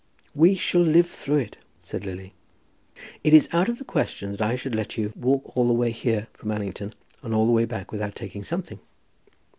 "We shall live through it," said Lily. "It is out of the question that I should let you walk all the way here from Allington and all the way back without taking something."